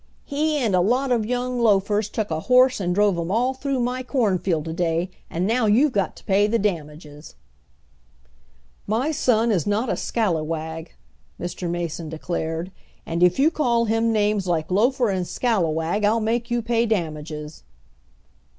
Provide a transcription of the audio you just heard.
"He and a lot of young loafers took a horse and drove him all through my cornfield to day, and now you've got to pay the damages." "My son is not a scallywag," Mr. Mason declared, "and if you call him names like loafer and scallywag I'll make you pay damages."